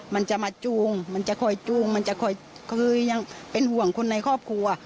มันจะมาจูงมันจะคอยจูงมันจะคอยคือยังเป็นห่วงคนในครอบครัว